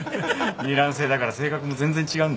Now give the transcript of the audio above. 二卵性だから性格も全然違うんだよ。